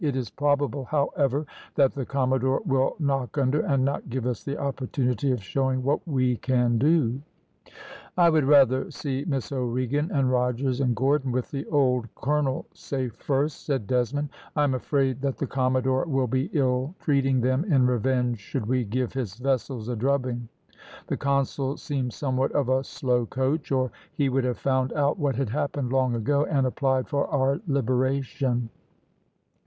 "It is probable, however, that the commodore will knock under, and not give us the opportunity of showing what we can do." "I would rather see Miss O'Regan, and Rogers, and Gordon, with the old colonel safe first," said Desmond. "I am afraid that the commodore will be ill treating them in revenge should we give his vessels a drubbing. The consul seems somewhat of a slow coach, or he would have found out what had happened long ago, and applied for our liberation."